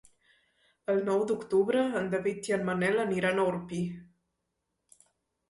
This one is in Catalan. El nou d'octubre en David i en Manel aniran a Orpí.